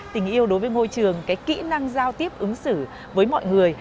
tình yêu đối với ngôi trường cái kĩ năng giao tiếp ứng xử với mọi người